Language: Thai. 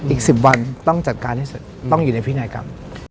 อีก๑๐วันต้องจัดการให้สุดต้องอยู่ในพินัยกรรม